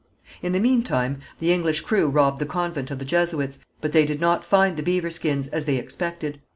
In the meantime the English crew robbed the convent of the Jesuits, but they did not find the beaver skins, as they expected.